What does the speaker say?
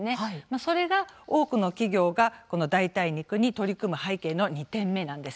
それが多くの企業が代替肉に取り組む背景の２点目なんです。